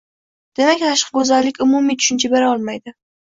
Demak, tashqi go`zallik umumiy tushuncha bera olmaydi